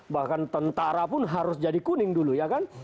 bahkan tentara pun harus jadi kuning dulu ya kan